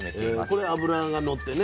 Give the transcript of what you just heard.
これ脂がのってね